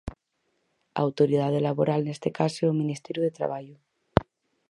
A autoridade laboral neste caso é o Ministerio de Traballo.